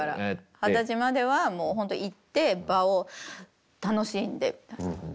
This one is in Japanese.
二十歳まではもうほんと行って場を楽しんで。